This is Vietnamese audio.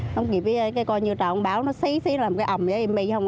không kịp coi như trả ông bảo xí xí làm cái ẩm với em ấy không